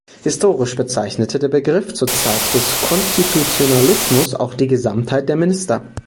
Historisch bezeichnete der Begriff zur Zeit des Konstitutionalismus auch die Gesamtheit der Minister.